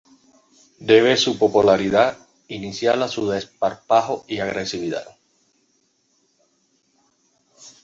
Debe su popularidad inicial a su desparpajo y agresividad.